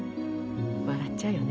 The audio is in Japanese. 笑っちゃうよね。